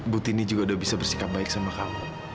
butini juga udah bisa bersikap baik sama kamu